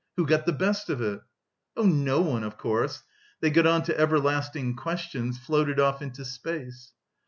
Who got the best of it?" "Oh, no one, of course. They got on to everlasting questions, floated off into space."